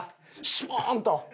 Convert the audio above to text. シュポン！と。